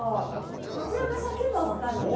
桜が咲けば分かるんだよ。